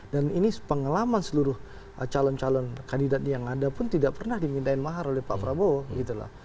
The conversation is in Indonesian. dan ini pengalaman seluruh calon calon kandidat yang ada pun tidak pernah diminta mahar oleh pak prabowo